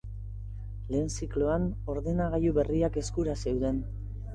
Lehen zikloan ordenagailu berriak eskura zeuden.